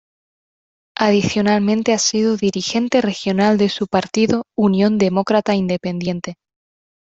Adicionalmente ha sido dirigente regional de su partido Unión Demócrata Independiente.